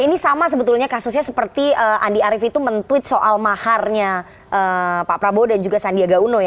ini sama sebetulnya kasusnya seperti andi arief itu men tweet soal maharnya pak prabowo dan juga sandiaga uno ya